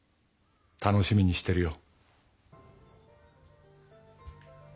楽しみにしてるよ。